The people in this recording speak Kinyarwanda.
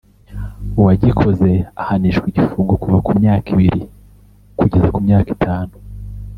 uwagikoze ahanishwa igifungo kuva ku myaka ibiri kugeza ku myaka itanu